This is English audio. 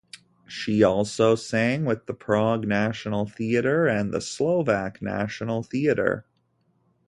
She also sang with the Prague National Theatre and the Slovak National Theatre.